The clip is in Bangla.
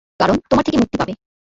কারণ তোমার থেকে মুক্তি পাবে।